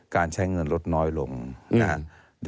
การใช้เงินลดน้อยลงนะครับ